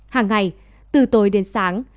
hàng ngày từ tối đến sáng